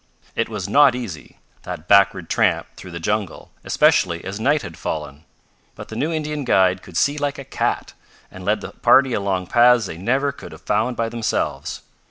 It was not easy, that backward tramp through the jungle, especially as night had fallen. But the new Indian guide could see like a cat, and led the party along paths they never could have found by themselves.